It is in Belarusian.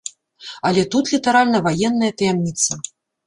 Але тут літаральна ваенная таямніца.